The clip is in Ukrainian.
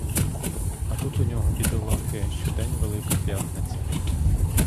А тут у нього бідолахи щодень велика п'ятниця.